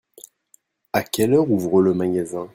À quelle heure ouvre le magasin ?